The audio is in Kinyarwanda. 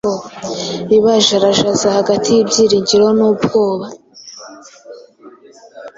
bibajarajaza hagati y’ibyiringiro n’ubwoba …"